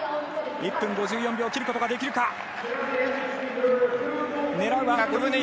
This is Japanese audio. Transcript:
１分５４秒を切ることができるか。